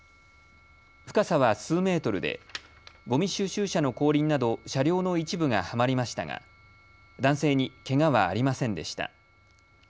深さは数メートルでごみ収集車の後輪など車両の一部がはまりましたが男性にけがはありませんでした。